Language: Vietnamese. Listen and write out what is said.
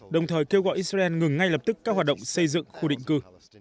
đồng thời kêu gọi israel ngừng ngay lập tức các hoạt động xây dựng khu định cư